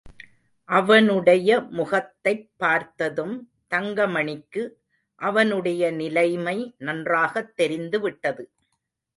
அவனுடைய முகத்தைப் பார்த்ததும் தங்கமணிக்கு அவனுடைய நிலைமை நன்றாகத் தெரிந்துவிட்டது.